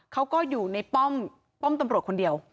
เขาก็อยู่ในป้อมป้อมตำรวจคนเดียว